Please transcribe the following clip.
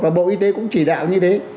và bộ y tế cũng chỉ đạo như thế